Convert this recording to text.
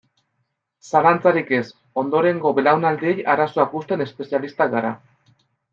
Zalantzarik ez, ondorengo belaunaldiei arazoak uzten espezialistak gara.